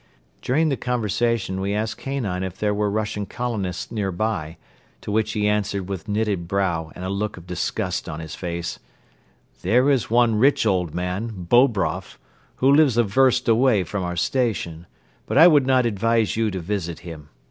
During the conversation we asked Kanine if there were Russian colonists near by, to which he answered with knitted brow and a look of disgust on his face: "There is one rich old man, Bobroff, who lives a verst away from our station; but I would not advise you to visit him.